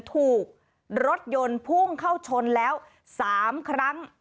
ถูกรถยนต์พุ่งเข้าชนแล้ว๓ครั้ง